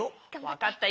わかった。